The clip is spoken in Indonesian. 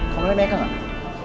kamu lagi meka gak